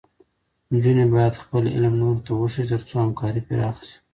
نجونې باید خپل علم نورو ته وښيي، تر څو همکاري پراخه شي.